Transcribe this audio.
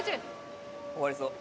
終わりそう。